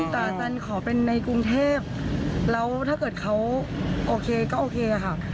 แต่อาจารย์ขอเป็นในกรุงเทพแล้วถ้าเกิดเขาโอเคก็โอเคค่ะ